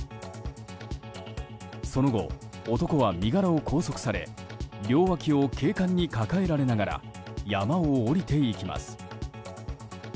その後、男は身柄を拘束され両脇を警官に抱えられながら山を下りていきます。